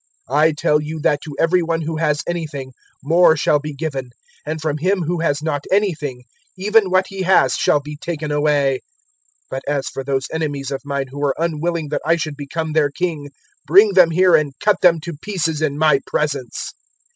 019:026 "`I tell you that to every one who has anything, more shall be given; and from him who has not anything, even what he has shall be taken away. 019:027 But as for those enemies of mine who were unwilling that I should become their king, bring them here, and cut them to pieces in my presence.'"